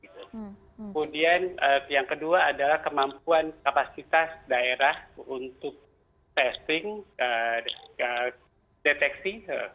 kemudian yang kedua adalah kemampuan kapasitas daerah untuk testing deteksi